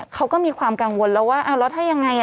เขาก็มีความกังวลแล้วว่าเราถ้วยังไง